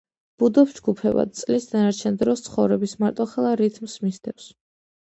ბუდობს ჯგუფებად, წლის დანარჩენ დროს ცხოვრების მარტოხელა რითმს მისდევს.